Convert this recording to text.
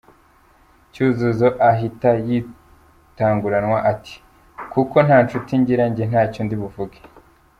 Cyuzuzo ahita yitanguranwa ati” Kuko nta nshuti ngira , njye ntacyo ndibuvuge.